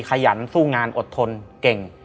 ขยันสู้งานอดทนเก่ง